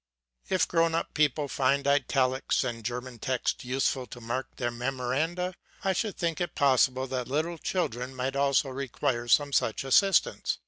If grown up people find italics and German text useful to mark their memoranda, I should think it possible that little children also might require some such assistance.